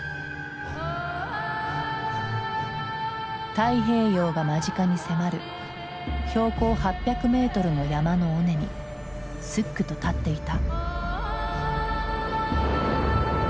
太平洋が間近に迫る標高８００メートルの山の尾根にすっくと立っていた。